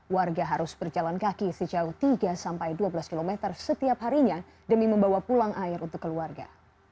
warga harus berjalan kaki sejauh tiga sampai dua belas km setiap harinya demi membawa pulang air untuk keluarga